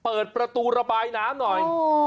เปิดประตูระบายน้ำหน่อย